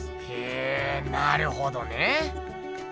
へぇなるほどね。